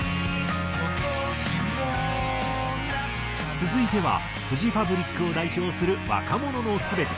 続いてはフジファブリックを代表する『若者のすべて』。